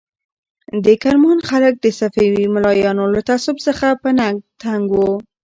د کرمان خلک د صفوي ملایانو له تعصب څخه په تنګ وو.